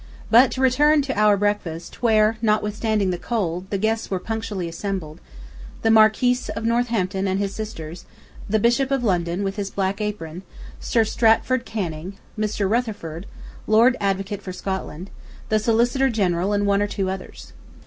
But, to return to or breakfast, where, notwithstanding the cold, the guests were punctually assembled: The Marquis of Northampton and his sisters, the Bishop of London with his black apron, Sir Stratford Canning, Mr. Rutherford, Lord Advocate for Scotland, the Solicitor General and one or two others.